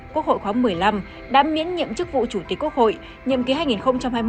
quốc hội khóa một mươi năm đã miễn nhiệm chức vụ chủ tịch quốc hội